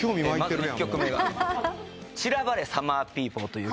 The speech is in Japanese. まず１曲目が『ちらばれ！サマーピーポー』という曲。